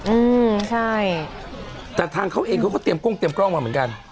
อืมใช่แต่ทางเขาเองเขาก็เตรียมกล้องเตรียมกล้องมาเหมือนกัน